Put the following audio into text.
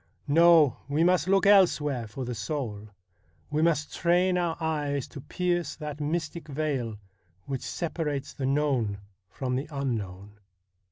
No, we must look elsewhere for the soul ; we must train our eyes to pierce that mystic veil which separates the known from the un known.'